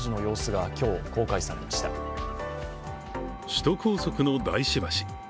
首都高速の大師橋。